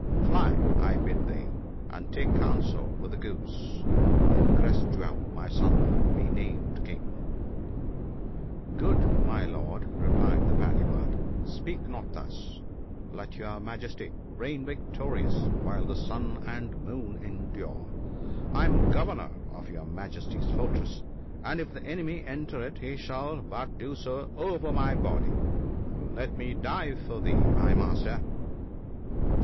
Fly ! I bid thee, and take counsel with the Goose that Crest jewel, my son, be named King !"" Good my Lord," replied the Paddy bird, " speak not thus ! Let your Majesty reign victorious while the sun and moon endure. I am governor of your Majesty's for tress, and if the enemy enter it he shall but do so over my body ; let me die for thee, my Master